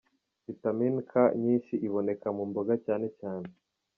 Vitamine K nyinshi iboneka mu mboga cyane cyane.